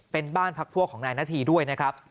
เป็นบ้านพักพวกของนายนาธีด้วยนะครับ